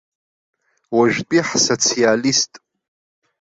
Уажәтәи ҳсоциалист.